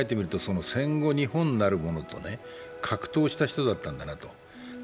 考えてみると、戦後、日本をはるものと、格闘した人だったんだなと。